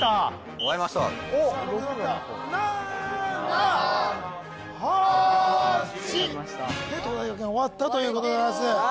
終わりました７８終わりました東大寺学園終わったということでございます